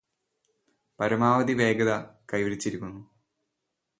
പരമാവധി വേഗത കൈവരിച്ചിരിക്കുന്നു